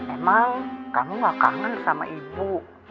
emang kamu gak kangen sama ibu